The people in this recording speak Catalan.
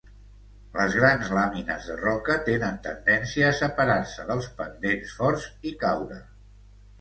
Les grans làmines de roca tenen tendència a separar-se dels pendents forts i caure.